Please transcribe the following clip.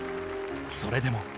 それでも。